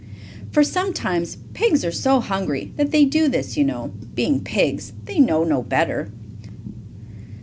For sometimes pigs are so hungry that they do this, you know. Being pigs they know no better.